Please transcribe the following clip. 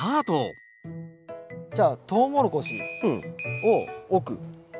じゃあトウモロコシを奥。